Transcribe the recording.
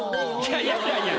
いやいやいや。